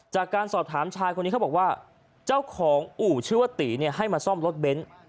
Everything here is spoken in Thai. จากการสอบถามชายคนนี้เขาบอกว่าเจ้าของอู่ชื่อว่าตีให้มาซ่อมรถเบนท์